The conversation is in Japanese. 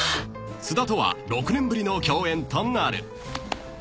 ［菅田とは６年ぶりの共演となる］